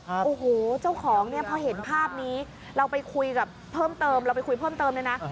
โอ้โหเจ้าของเนี่ยพอเห็นภาพนี้เราไปคุยกับเพิ่มเติมเราไปคุยเพิ่มเติมเลยนะ